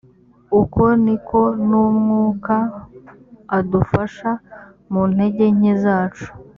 uko ni ko n umwuka adufasha mu ntege nke zacu